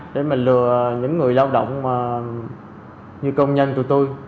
để mà lừa những người lao động như công nhân tụi tôi